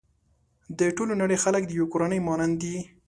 د ټولې نړۍ خلک د يوې کورنۍ مانند دي.